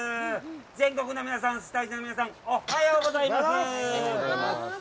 全国の皆さん、スタジオの皆さん、おっはようございます。